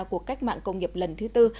cuộc cách mạng công nghiệp lần thứ tư